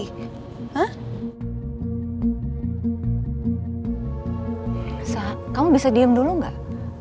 eusa kamu bisa diem dulu gak